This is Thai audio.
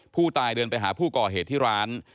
ผู้ตายเดินไปหาผู้ก่อเหตุที่ร้าน